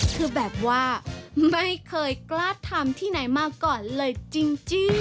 คือแบบว่าไม่เคยกล้าทำที่ไหนมาก่อนเลยจริง